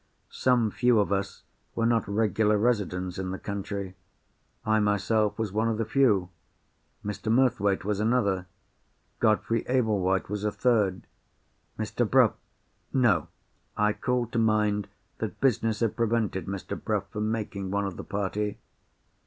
Some few of us were not regular residents in the country. I myself was one of the few. Mr. Murthwaite was another. Godfrey Ablewhite was a third. Mr. Bruff—no: I called to mind that business had prevented Mr. Bruff from making one of the party.